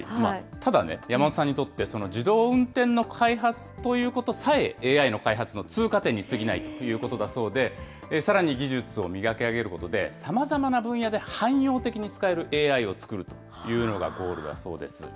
ただね、山本さんにとって、その自動運転の開発ということさえＡＩの開発の通過点に過ぎないということだそうで、さらに技術を磨き上げることで、さまざまな分野で汎用的に使えるＡＩを作るというのがゴールだそうです。